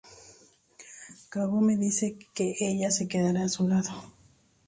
Kagome dice que ella se quedará a su lado.